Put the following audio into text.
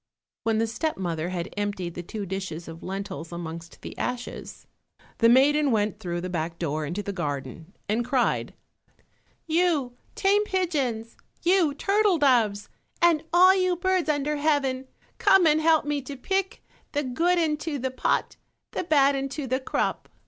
When the step mother had emptied the two dishes of lentils amongst the ashes, the maiden went through the back door into the garden and cried, You tame pigeons, you turtle doves, and all you birds under heaven, come and help me to pick "The good into the pot, The bad into the crop."